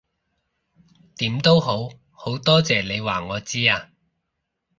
點都好，好多謝你話我知啊